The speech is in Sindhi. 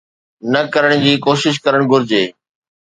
نه ڪرڻ جي ڪوشش ڪرڻ گهرجي.